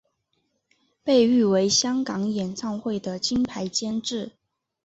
被誉为香港演唱会的金牌监制。